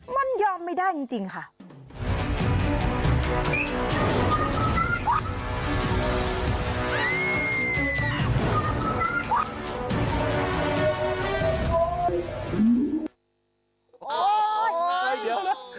มันยอมไม่ได้จริงค่ะ